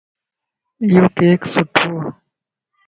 ايو ڪيڪ سُٺو ائي.